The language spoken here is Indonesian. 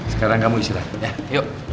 sekarang kamu istirahat ya yuk